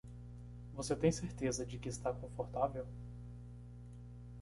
Você tem certeza de que está confortável?